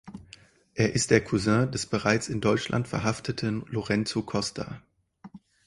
Er ist der Cousin des bereits in Deutschland Verhafteten Lorenzo Costa.